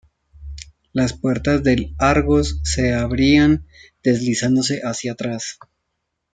Las puertas del Argos se abrían deslizándose hacia atrás.